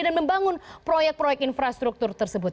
dan membangun proyek proyek infrastruktur tersebut